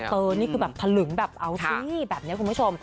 นี่คือแบบถลึงแบบเอาสิแบบนี้คุณผู้ชม